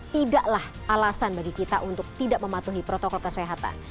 tidaklah alasan bagi kita untuk tidak mematuhi protokol kesehatan